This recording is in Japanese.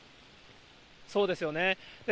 そうですよね。